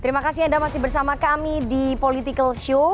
terima kasih anda masih bersama kami di political show